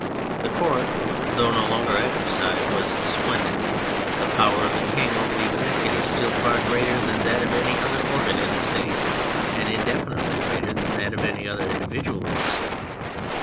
The Court, though no longer at Versailles, was splendid, the power of the King over the Executive still far greater than that of any other organ in the State, and indefinitely greater than that of any other individual in the State.